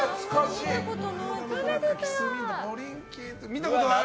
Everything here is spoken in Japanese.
見たことない。